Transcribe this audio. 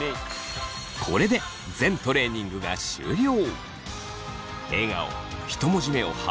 これで全トレーニングが終了。